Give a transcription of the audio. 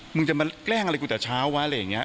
มึงจะมาแกล้งอะไรกูเดี๋ยวเช้าไว้